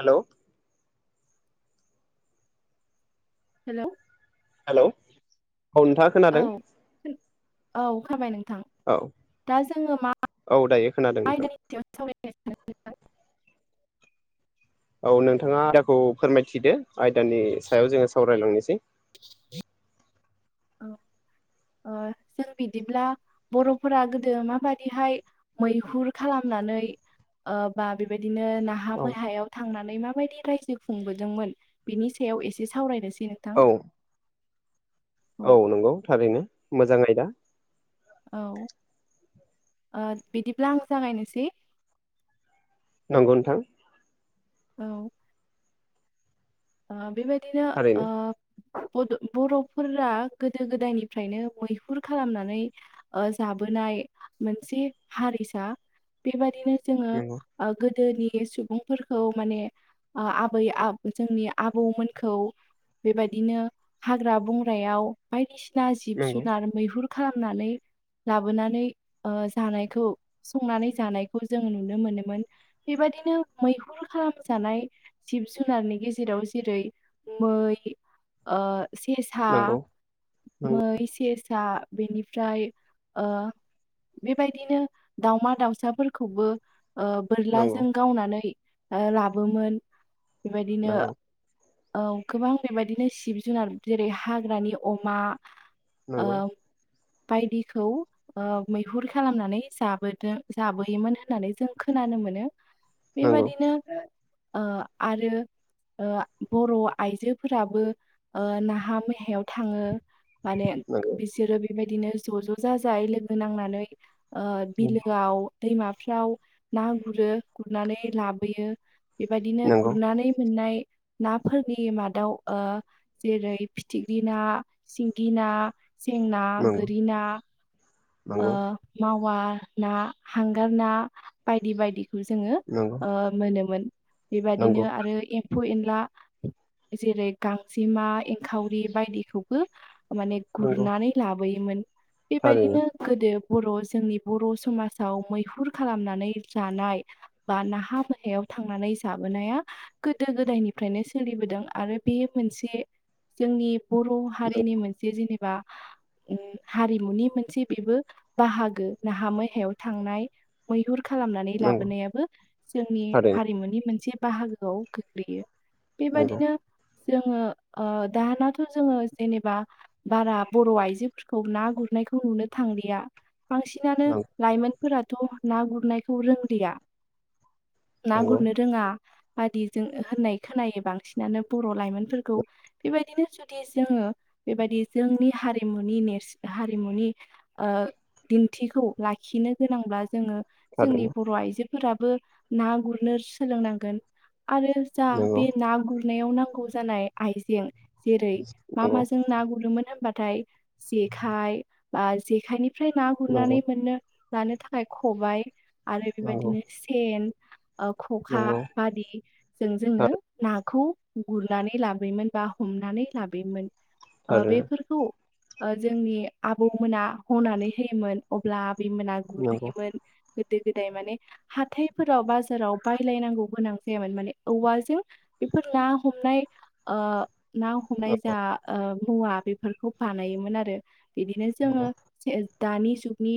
Hello. Hello. Hello औ नोंथां। औ औ खोनाबाय नोंथां। औ दा जोङो मा औ दायो खोनादों नोंथां आयदानि सायाव सावरायनो सानदों? नोंथां? औ नोंथाङा आयदाखौ फोरमायथिदो आयदानि सायाव जोङो सावरायलांनोसै। [inaudible] [inaudible] ओ जों बिदिब्ला बर'फोरा गोदो माबादिहाय मैहुर खालामनानै ओ बा बेबायदिनो ना हा औ मैहायाव थांनानै माबायदि रायजो खुंबोदोंमोन बेनि सायाव एसे सावरायनोसै नों औ। औ नंगौ थारैनो मोजां आयदा। औ ओ बिदिब्ला आं जागायनोसै। नंगौ नोंथां। औ। आ बेबायदिनो थारैनो आ बड' बर'फोरा गोदो गोदायनिफ्रायनो मैहुर खालामनानै ओ जाबोनाय मोनसे हारिसा बेबादिनो जोङो नंगौ आ गोदोनि सुबुंफोरखौ माने आ आबै आ जोंनि आबौमोनखौ बेबायदिनो हाग्रा बंग्रायाव बायदिसिना जिब नंगौ जुनार मैहुर खालामनानै लाबोनानै ओ जानायखौ संनानै जानायखौ जों नुनो मोनोमोन। बेबादिनो मैहुर खालामजानाय जिब जुनारनि गेजेराव जेरै मै ओ सेसा नंगौ मै सेसा बेनिफ्राय ओ बेबायदिनो दाउमा दाउसाफोरखौबो ओ नंगौ बोरलाजों गावनानै ओ लाबोमोन बेबायदिनो नंगौ औ गोबां बेबायदिनो जिब जुनार जेरै हाग्रानि अमा ओ नंगौ बायदिखौ मैहुर खालामनानै जाबोद जाबोयोमोन होननानै जों खोनानो मोनोना। नंगौ बेबादिनो ओ आरो। बर' आइजोफोराबो नाहा मैहायाव थाङो। माने नंगौ बिसोरो बेबायदिनो ज' ज' जाजाय लोगो नांनानैओ ओ बिलोआव दैमाफ्राव ना गुरो गुरनानै लाबोयो। बेबायदिनो नंगौ गुरनानै मोननायो नाफोरनि मादाव जेरै फिथिख्रि ना, सिंगि ना सें ना नंगौ गोरि ना ओ नंगौ मावा ना हांगार ना बायदि बायदिखौ जोङो। नंगौ मोनोमोन बेबायदिनो नंगौ आरो एम्फौ एनला। जेरै गांजेमा एंखावरि बायदिखौबो माने नंगौ गुरनानै लाबोयोमोन थारैनो बेबादिनो गोदो बर' जोंनि बर' समाजाव मैहुर खालामनानै जानायो बा नाहा मैहायाव थांनानै जाबोनाया गोदो गोदायनि फ्रायनो सोलिबोदों आरो बेयो मोनसे। जोंनि बर' हारिनि मोनसे जेनेबा ओ उम हारिमुनि मोनसे बेबो बाहागो नाहा मैहायाव थांनायो मैहुर खालामनानै नंगौ लाबोनायाबो जोंनि थारैनो हारिमुनि मोनसे बाहागोआव गोग्लैयो। नंगौ बेबादिनो जोङो दानाथ' जोङो जेनेबाओ बारा बर' आइजोफोरखौ ना गुरनायखौ नुनो थांलियाओ बांसिनानो लाइमोनफोराथ' ना गुरनायखौ रोंदिया। ना नंगौ नंगौ गुरनो रोङा बादि जों होननाय खोनायो बांसिनानो बर' लाइमोनफोरखौ। बेबायदिनो जुदि जोङो बेबायदि जोंनि हारिमुनि नेरसो हारिमुनिआ ओ दिन्थिखौ लाखिनो गोनांब्ला जोङो। जोंनि थारैनो बर' आइजोफोराबो ना गुरनो सोलोंनांगोन आरो जायो नंगौ ना गुरनायाव नांगौ जानाय आइजें जेरै मा नंगौ माजों ना गुरोमोन होनबाथायो जेखाय बा जेखायनिफ्राय ना गुरनानै नंगौ मोननो। लानो थाखाय खबाइ आरो नंगौ बेबायदिनो सेन ख'खो नंगौ बादिजों जोङो। नाखौ गुरनानै लाबोयोमोन बा हमनानै लाबोयोमोन। ओ थारैनो बेफोरखौओ ओ जोंनि आबौमोना हनानै होयोमोन अब्ला आबैमोना नंगौ गुरहैयोमोन। गोदो गोदाय माने। हाथायफोराव बाजाराव बायलायनांगौ गोनां जायामोन माने औवाजों। बेफोर ना हमनाय ना हमनाय नंगौ जायो ओ मुवा बेफोरखौ बानायोमोन आरो बिदिनो जोङो। नंगौ जे दानि जुगनि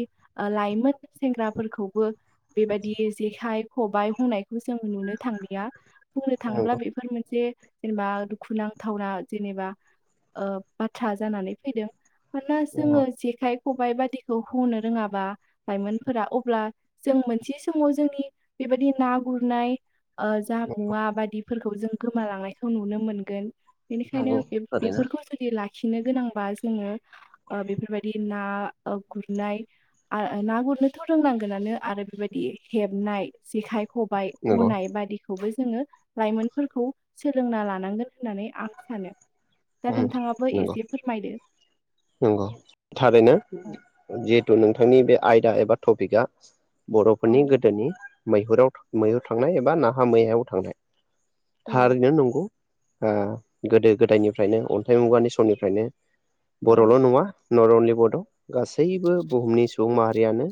लाइमोन सेंग्राफोरखौबो ओ बेबायदि जेखाइ खबाइ हनायखौ जों नुनो थांलिया बुंनो थाङोब्ला नंगौ बे फोर मोनसे जेनेबा दुखुुनांथावना जेनेबाओ बाथ्रा जानानै फैदों मानोना जोङो जेखाय खबाइ बादिखौ हनो रोङाबा लाइमोनफोरा अब्लाओ जों मोनसे समाव जोंनि बेबायदि ना गुरनाय ओ जा मुवा बायदिफोरखौ जों गोमालांनायखौ नुनो मोनगोन। बेनिखायनो नंगौ थारैनो बेफोरखौ जुदि लाखिनो गोनांबा जोङो। आ बेफोरबायदि ना गुरनाय। ना गुरनोथ' रोंनांगोनानो आरो बेबायदि हेबनाय जेखाय ख बाइ नंगौ हनाय बादिखौबो जोङो लाइ मोनफोरखौ सोलोंना लानांगोन होननानै आं सानो दा उम नोंथाङाबो नंगौ एसे फोरमायदो। नंगौ थारैनो औ जिहेथु नोंथांनि बे आयदा एबा टपिका औ बर'फोरनि गोदोनि मैहुराव मैहुर थांनाय एबा नाहा मैहायाव थांनाय औ थारैनो नंगौ गोदो गोदायनिफ्रायनो अन्थाइ मुगानि समनिफ्रायनो औ बर'ल' नङा नट अनलि बड' गासैबो बुहुमनि सुबुं माहारियानो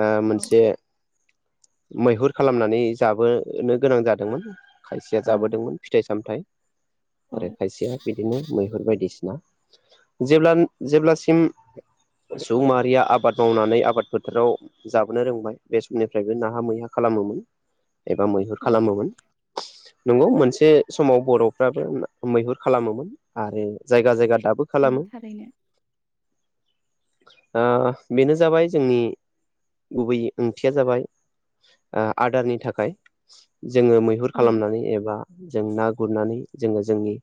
ओ मोनसे मैहुर खालामनानै जाबोनो गोनां जादोंमोन खायसेया औ जाबोदोंमोन फिथाइ सामथाइ आरो औ खायसेया बिदिनो मैहुर बायदिसिना जेब्ला जेब्लासिम सुबुं माहारिया आबाद मावनानै आबाद फोथाराव जाबोनो रोंबाय बे समनिफ्रायबो नाहा मैहा खालामोमोन एबा मैहुर औ खालामोमोन नंगौ मोनसे समाव बर'फ्राबो मैहुर खालामोमोन आरो जायगा जायगा दाबो औ खालामो थारैनो आ बेनो जाबाय जोंनि गुबै ओंथिया जाबाय आ आदारनि थाखाय जोङो मैहुर औ खालामनानै एबा जों ना गुरनानै जोङो जोंनि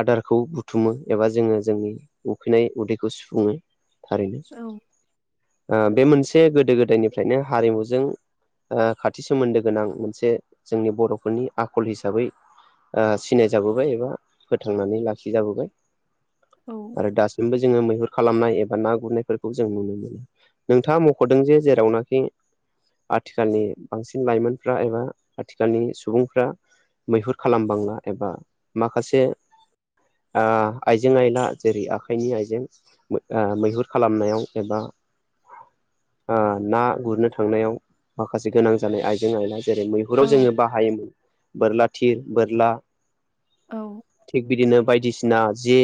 आदारखौ बुथुमो एबा जोङो जोंनि उखैनाय उदैखौ सुफुङो थारैनो औ आ बे मोनसे गोदो गोदायनिफ्रायनो हारिमुजों आ खाथि सोमोनदो गोनां मोनसे जोंनि बर'फोरनि आखल हिसाबै आ सिनायजाबोबाय एबा फोथांनानै लाखिजाबोबाय औ आरो दासिमबो जोङो मैहुर खालामनाय एबा ना गुरनायफोरखौ जों नुनो मोनो नोंथाङा मुख'दों जे जेरावनाखि आथिखालनि बांसिन लाइमोनफ्रा एबा आथिखालनि सुबुंफ्रा मैहुर खालामबांला एबा माखासे आइजें आयला जेरै आखाइनि आइजें मैहुर खालामनायाव एबा ना गुरनो थांनायाव माखासे गोनां जानाय आइजें आइला जेरै मैहुराव औ जोङो बाहायोमोन बोरला थिर बोरला थिग बिदिनो बायदिसिना जे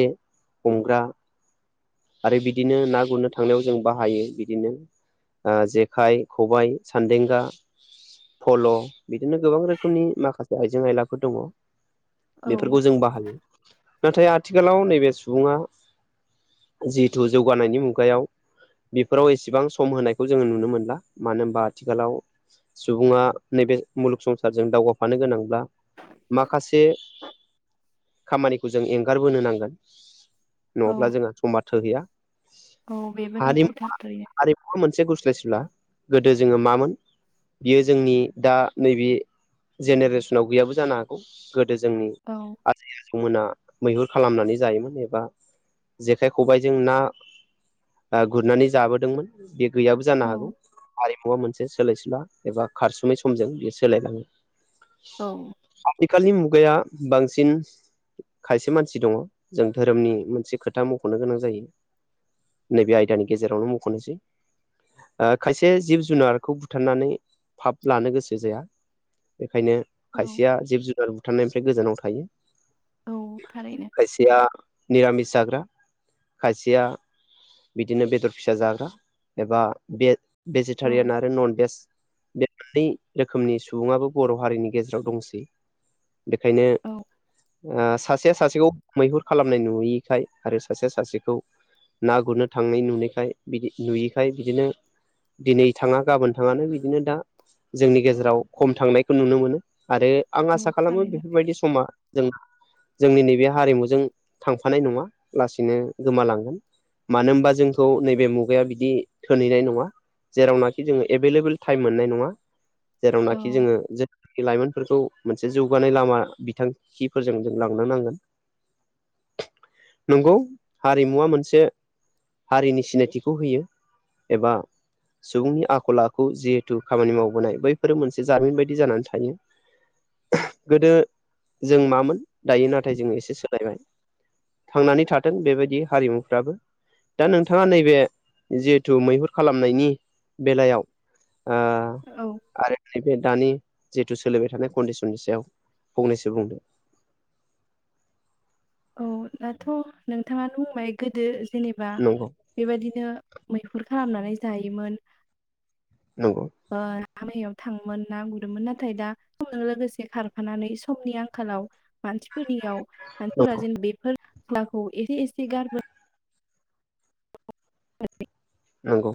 हमग्रा आरो बिदिनो ना गुरनो थांनायाव जों बाहायो बिदिनो ओ जेखाइ खबाय सानदेंगा फल' बिदिनो गोबां रोखोमनि माखासे आइजें आयलाफोर दङ औ बेफोरखौ जों बाहायो नाथाय आथिखालाव नैबे सुबुङा जिहेथु जौगानायनि मुगायाव बेफोराव एसेबां सम होनायखौ जोङो नुनो मोनला मानो होनबा आथिखालाव सुबुङा नैबे मुलुग संसारजों दावगाफानो गोनांब्ला माखासे खामानिखौ जों एंगारबोनो नांगोन नङाब्ला औ जोंहा समा थोहैया औ बेबो नंगौ थारैनो बेबो मोनसे गुस्लायसुला गोदो जोङो मामोन बियो जोंनि दा नैबे जेनेरेसनाव गैयाबो जानो हागौ गोदो जोंनि औ आजै आजौमोना मैहुर खालामनानै जायोमोन एबा जेखाय खबाइजों ना गुरनानै जाबोदोंमोन बे गैयाबो जानो औ हागौ हारिमुवा मोनसे बे सोलायसुला एबा खारसुमै समजों बियो सोलायलाङो औ आथिखालनि मुगाया बांसिन खायसे मानसि दङ जों दोरोमनि मोनसे खोथा मख'नो गोनां जायो नैबे आयदानि गेजेरावनो मख'नोसै आ खायसे जिब जुनारखौ बुथारनानै फाब लानो गोसो जाया बेखायनो औ खायसेया जिब जुनार बुथारनायनिफ्राय गोजानाव थायो औ थारैनो खायसेया मिरामिस जाग्रा खायसेया बिदिनो बेदर फिसा जाग्रा एबा औ भेजिटारियान आरो नन भेज। मैननै रोखोमनि सुबुङाबो बर' हारिनि गेजेराव दंसै। औ बेखायनो आ सासेया सासेखौ मैहुर खालामनाय नुयिखाय आरो सासे सासेखौ ना गुरनो थांनाय नुनायखाय बिदि नुयैखाय बिदिनो दिनै थाङा गाबोन थाङानो बिदिनो दा जोंनि गेजेराव खम थांनायखौ नुनो मोनो आरो आं आसा औ खालामो थारैनो बेफोरबायदि समा जों जोंनि नैबे हारिमुजों थांफानाय नङा लासैनो गोमालांगोन। मानो होनबा जोंखौ नैबे मुगाया बिदि थोनहैनाय नङा। जेरावनाखि जोङो एभेलेबोल टाइम मोननाय नङा औ जेरावनाखि जोङो जों लाइमोनफोरखौ मोनसे जौगानाय लामा बिथांखिफोरजों जों लांनो नांगोन। नंगौ हारिमुवा मोनसे हारिनि सिनायथिखौ होयो एबा सुबुंनि आखल आखु जिहेथु खामानि मावबोनाय बैफोरो मोनसे जारिमिन बायदि जानानै थायो। गोदो जों मामोन दायो नाथाय जों एसे सोलायबाय। थांनानै थाथों बेबायदि हारिमुफ्राबो। दा नोंथाङा नैबे जिहेथु मैहुर खालामनायनि बेलायाव औ आरो नैबे दानि जिहेथु सोलिबाय थानाय कन्डिसननि सायाव फंनैसो बुंदों। औ दाथ' नोंथाङानो बुंबाय। गोदो जेनेबा नंगौ बेबायदिनो मैहुर खालामनानै जायोमोन। नंगौ। आमैया थाङोमोन ना गुरोमोन। नाथाय दा समजों लोगोसे खारफानानै समनि आंखालाव मानसिफोरनियाव औ मानसिफोरा जेन बेफोर खेलाखौ एसे एसे गारबोनाय बै नंगौ।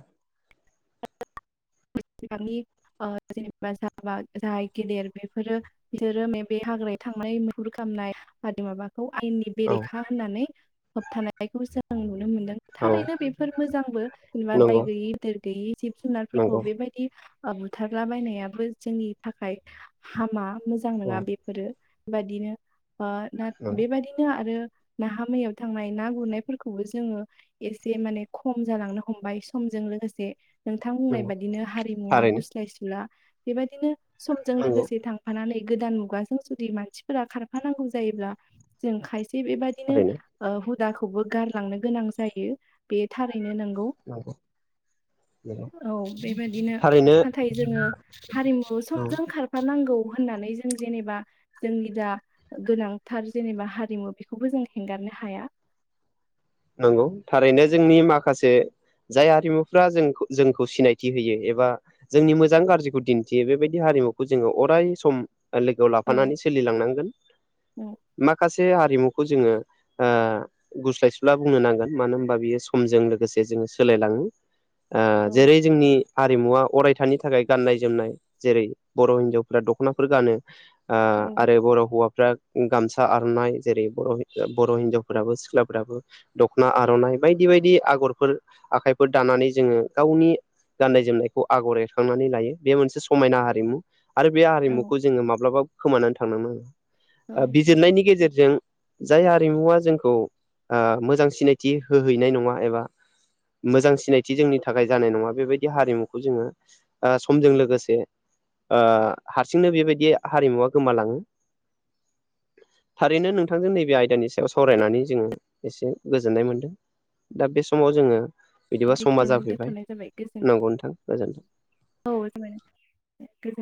जेनबा जाय गेदेर बेफोरो बिसोरो मा बे हाग्रायाव थांनाय मुहुर खालामनाय बि माबाखौ आयेननि औ बेरेखा होननानै होबथानायखौ जों नुनो मोनदों। औ थारैनो बेफोर मोजांबो जेनेबा दाय नंगौ गैयि गिदिर गैयि जिब जुनार नंगौ बेबायदि बुथारला बायनायाबो जोंनि थाखाय हामा मोजां औ नङा बेफोरो बेबादिनो ओ दा नंगौ बेबादिनो आरो नाहा मैयाव थांनाय ना गुरनायफोरखौबो जोङो एसे माने खम जालांनो हमबाय समजों लोगोसे नोंथां बुंनाय नंगौ बादिनो हारिमुवा थारैनो गुस्लाय सुला बेबायदिनो समजों नंगौ लोगोसे थां खारफानानै गोदान मुगाजों जुदि मानसिफोरा खारफानांगौ जायोब्ला जों खायसे बेबायदि थारैनो बिदिनो हुदाखौबो गारलांनो गोनां जायो बे थारैनो नोंगौ। नंगौ। बेबायदिनो थारैनो नाथाय जोङो हारिमुखौ औ समजों खारफानांगौ होननानै जों जेनेबा जोंनि दा गोनांथार जेनेबा हारिमु बेखौबो जों हेंगारनो हाया। नंगौ थारैनो जोंनि माखासे जाय आरिमुफ्रा जों जोंखौ सिनायथि होयो एबा जोंनि मोजां गाज्रिखौ दिन्थियो बेबायदि हारिमुखौ जोङो अराय सम लोगोआव औ लाफानानै सोलिलांनांगोन औ माखासे हारिमु खौ जोङो ओ गुस्लायसोला ब्ला बुंनो नांगोन मानो होनबा बियो समजों लोगोसे जोङो सोलायलाङो। ओ औ जेरै जोंनि हारिमुवा अरायथानि थाखाय गाननाय जोमनाय। जेरै बर' हिनजावफ्रा दख'नाफोर गानो औ आरो बर' हौवाफ्रा गामसा आरनाय जेरै बर' बर' हिनजावफोराबो सिख्लाफोराबो दख'ना आर'नाइ बायदि बायदि आगरफोर आखाइफोर दानानै जोङो गावनि गाननाय जोमनायखौ आगर एरखांनानै लायो बे मोनसे समायना हारिमु आरो बे औ हारिमुखौ जोङो माब्लाबा खोमानानै थांनो नाङा औ बिजिरनायनि गेजेरजों जाय हारिमुवा जोंखौ ओ मोजां सिनायथि होहैनाय नङा एबा मोजां सिनायथि जोंनि थाखाय जानाय नङा बेबायदि हारिमुखौ जोङो ओ समजों लोगोसे ओ हारसिंनो बेबायदि हारिमुवा गोमालाङो थारैनो नोंथांजों नैबे आयदानि सायाव सावरायनानै जोङो एसे गोजोननाय मोन्दों दा बे समाव जोङो बिदिबा समा बेखिनियावनो जाफैबाय दोनथ'नाय जाबाय गोजोनथों नंगौ नोंथां गोजोनथों औ गोजोन बाय नोंथां बिरगोन